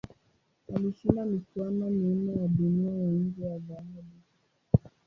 Alishinda michuano minne ya Dunia ya nje ya dhahabu.